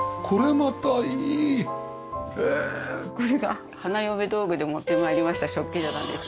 これが花嫁道具で持って参りました食器棚です。